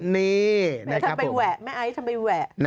นี่นะครับผมทำไปแหวะแม่ไอ้ทำไปแหวะ